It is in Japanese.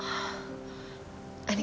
ああ。